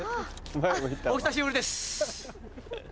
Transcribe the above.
お久しぶりです。